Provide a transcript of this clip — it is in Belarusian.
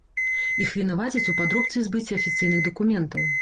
Іх вінавацяць у падробцы і збыце афіцыйных дакументаў.